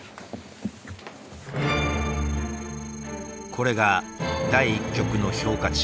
これが第１局の評価値。